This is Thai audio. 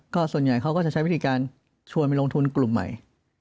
ก็ส่วนใหญ่เขาก็จะใช้วิธีการชวนไปลงทุนกลุ่มใหม่